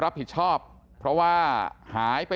ครับพี่หนูเป็นช้างแต่งหน้านะ